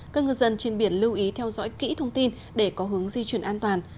các ngư dân trên biển lưu ý theo dõi kỹ thông tin để có hướng di chuyển an toàn